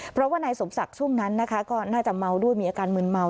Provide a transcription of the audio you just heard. เพราะว่านายสมศักดิ์ช่วงนั้นนะคะก็น่าจะเมาด้วยมีอาการมืนเมา